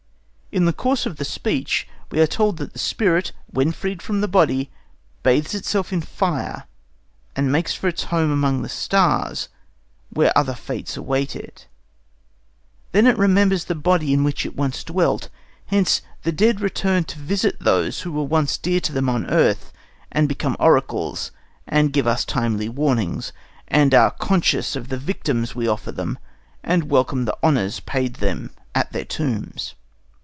In the course of the speech we are told that the spirit, when freed from the body, bathes itself in fire and makes for its home among the stars, where other fates await it. Then it remembers the body in which it once dwelt. Hence the dead return to visit those who once were dear to them on earth, and become oracles, and give us timely warnings, and are conscious of the victims we offer them, and welcome the honours paid them at their tombs.